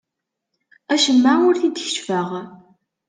Acemma ur t-id-keccfeɣ.